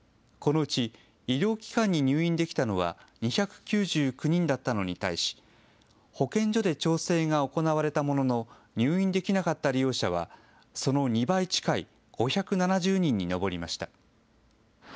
このうち、医療機関に入院できたのは２９９人だったのに対し、保健所で調整が行われたものの、入院できなかった利用者は、その２倍近い５７０人に上りました。